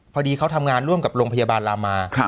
พอดีเขาทำงานร่วมกับโรงพยาบาลลามา